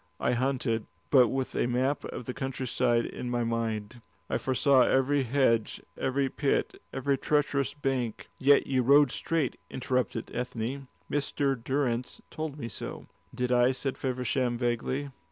I hunted, but with a map of the country side in my mind. I foresaw every hedge, every pit, every treacherous bank." "Yet you rode straight," interrupted Ethne. "Mr. Durrance told me so." "Did I?" said Feversham, vaguely.